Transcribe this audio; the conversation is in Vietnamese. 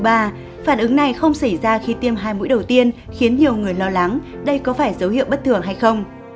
phản ứng này không xảy ra khi tiêm hai mũi đầu tiên khiến nhiều người lo lắng đây có phải dấu hiệu bất thường hay không